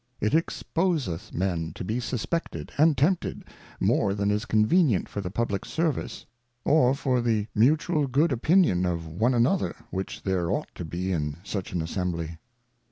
It exposeth Men to be suspected, and tempted, more than is convenient for the Publick Service, or for the mutual good Opinion of one another which there ought to be in such an Assembly.